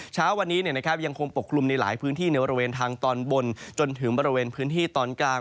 เช้าวันนี้ยังคงปกคลุมในหลายพื้นที่ในบริเวณทางตอนบนจนถึงบริเวณพื้นที่ตอนกลาง